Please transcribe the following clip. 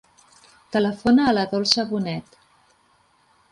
Telefona a la Dolça Boned.